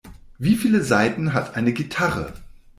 Wie viele Saiten hat eine Gitarre?